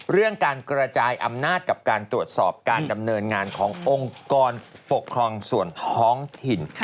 เรื่องการกระจายอำนาจกับการตรวจสอบการดำเนินงานขององค์กรปกครองส่วนท้องถิ่น